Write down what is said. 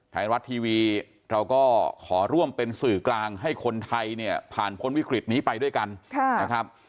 ไทยรัฐทีวีเราก็ขอร่วมเป็นสื่อกลางให้คนไทยเนี่ยผ่านพ้นวิกฤตนี้ไปด้วยกันนะครับ